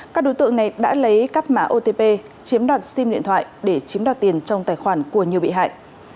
các đối tượng này đã lấy cắp mã otp chiếm đoạt sim điện thoại để chiếm đoạt tiền trong tài khoản của nhiều bị hại